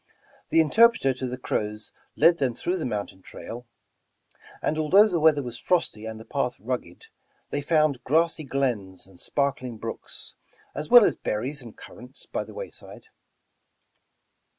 The interpreter to the Crows led them through the mountain trail, and although the weather was frosty and the path rugged, they found grassy glens and sparkling biooks, as well as berries and currants by the wayside.